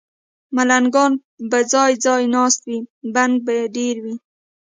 ملنګان به ځای، ځای ناست وي، بنګ به ډېر وي